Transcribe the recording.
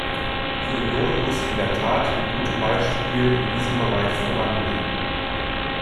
Die Union muss in der Tat mit gutem Beispiel in diesem Bereich vorangehen.